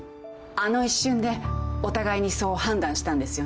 あの一瞬でお互いにそう判断したんですよね？